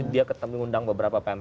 dia ketemu undang beberapa